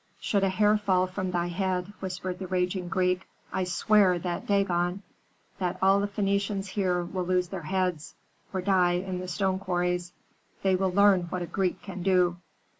"Should a hair fall from thy head," whispered the raging Greek, "I swear that Dagon, that all the Phœnicians here will lose their heads, or die in the stone quarries. They will learn what a Greek can do."